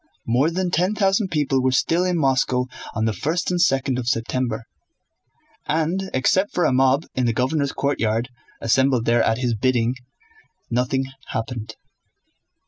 More than ten thousand people were still in Moscow on the first and second of September, and except for a mob in the governor's courtyard, assembled there at his bidding, nothing happened.